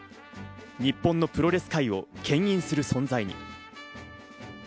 日本のプロレス界をけん引する存在に。